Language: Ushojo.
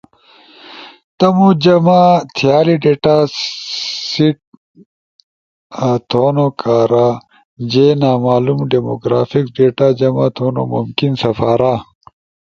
تمو جمع تھیالی ڈیٹا سیوا تھونو کارا جے نامولوما ڈیموگرافکس ڈیٹا جمع تھونو ممکن سپارا۔